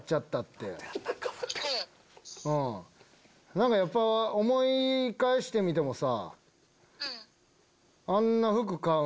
うん何かやっぱ思い返してみてもさ。